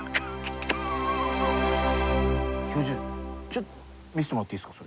ちょっと見せてもらっていいですか？